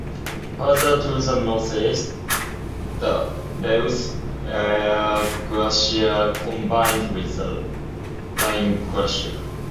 Further to the northeast, the Reuss-Aare Glacier combined with the Rhine glacier.